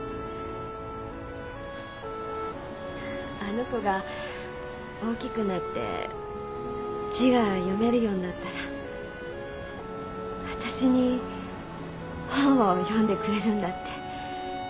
あの子が大きくなって字が読めるようになったらわたしに本を読んでくれるんだって。